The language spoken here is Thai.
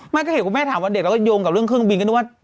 ถ้าเกิดเห็นคุณแม่ถามว่าเด็กแล้วก็โยงกับเรื่องเครื่องบินก็นึกว่า